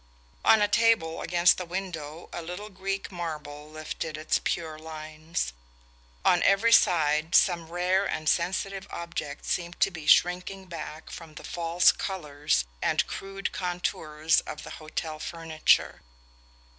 On a table against the window a little Greek marble lifted its pure lines. On every side some rare and sensitive object seemed to be shrinking back from the false colours and crude contours of the hotel furniture.